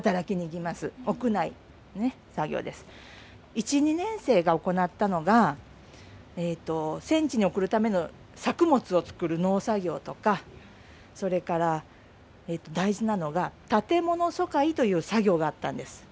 １２年生が行ったのが戦地に送るための作物を作る農作業とかそれから大事なのが建物疎開という作業があったんです。